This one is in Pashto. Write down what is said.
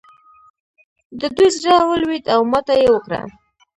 د دوی زړه ولوېد او ماته یې وکړه.